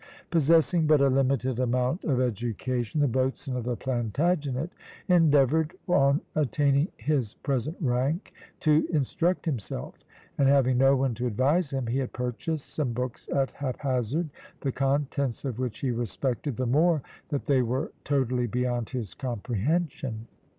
Possessing but a limited amount of education, the boatswain of the Plantagenet endeavoured, on attaining his present rank, to instruct himself; and having no one to advise him, he had purchased some books at haphazard, the contents of which he respected the more that they were totally beyond his comprehension.